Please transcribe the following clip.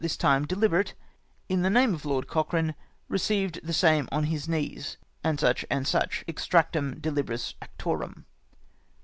this time deliberate — in the name of Lord Cochrane — received the same on his knees," &c. &c. — Extradmn de Libris Actorum.